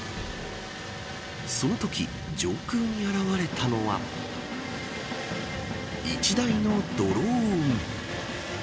そのとき、上空に現れたのは１台のドローン。